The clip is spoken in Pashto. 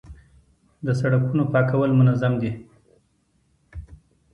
د سړکونو پاکول منظم دي؟